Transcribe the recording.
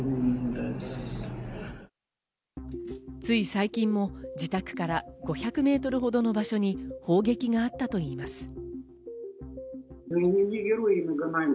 つい最近も自宅から５００メートルほどの場所に砲撃があったといいます。